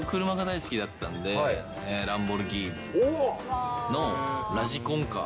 車が大好きだったんで、ランボルギーニのラジコンカー。